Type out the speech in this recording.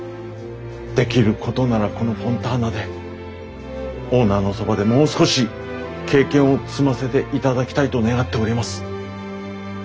できることならこのフォンターナでオーナーのそばでもう少し経験を積ませていただきたいと願っております。